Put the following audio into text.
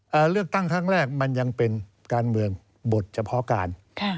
เลือกตั้งครั้งแรกมันยังเป็นการเมืองบทเฉพาะการค่ะ